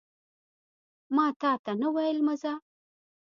ماتاته نه ویل مه ځه